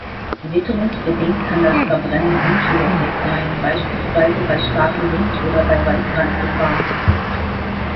Witterungsbedingt kann das Verbrennen unzulässig sein, beispielsweise bei starkem Wind oder bei Waldbrandgefahr.